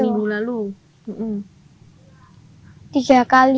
aku mengedahkan tank tiga kali